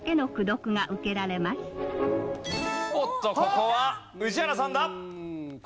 おっとここは宇治原さんだ。